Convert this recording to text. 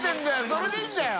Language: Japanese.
それでいいんだよ！